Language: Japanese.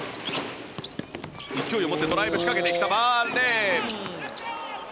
勢いを持ってドライブを仕掛けてきたバーレーン。